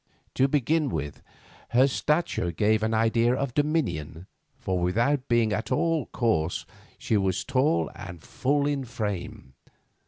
To begin with, her stature gave an idea of dominion, for, without being at all coarse, she was tall and full in frame.